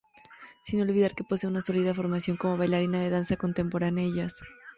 Sin olvidar que posee una sólida formación como bailarina de danza contemporánea y jazz.